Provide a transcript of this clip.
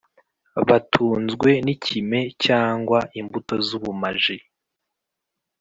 batunzwe n’ikime cyangwa imbuto z’ubumaji.